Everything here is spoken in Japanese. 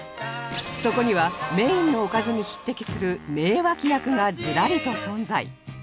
そこにはメインのおかずに匹敵する名脇役がずらりと存在